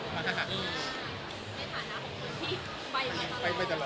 ในฐานะของคุณที่ไปมาตลอด